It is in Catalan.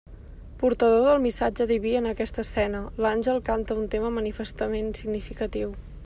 Portador del missatge diví en aquesta escena, l'àngel canta un tema manifestament significatiu.